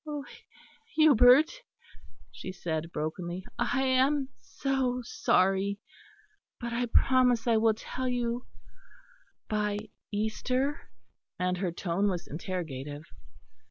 "Oh, Hubert," she said brokenly, "I am so sorry; but I promise I will tell you by Easter?" and her tone was interrogative.